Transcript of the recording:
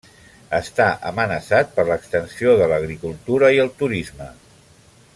Està amenaçat per l'extensió de l'agricultura i el turisme.